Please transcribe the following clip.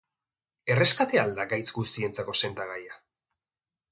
Erreskatea al da gaitz guztientzako sendagaia?